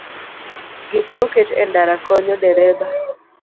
Gik moket e ndara konyo dereba